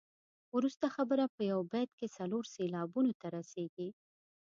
وروسته خبره په یو بیت کې څلور سېلابونو ته رسيږي.